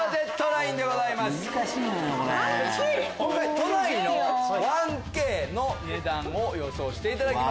都内の１Ｋの値段を予想していただきます。